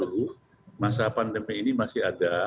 baru masa pandemi ini masih ada